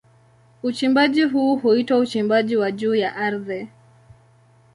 Uchimbaji huu huitwa uchimbaji wa juu ya ardhi.